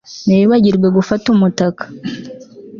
Ntiwibagirwe gufata umutaka